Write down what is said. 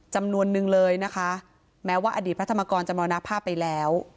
จำนวนนึงเลยนะคะแม้ว่าอดีตพระธรรมกรจะมรณภาพไปแล้ว